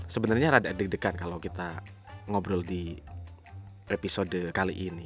sebenarnya rada deg degan kalau kita ngobrol di episode kali ini